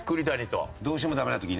どうしてもダメな時ね。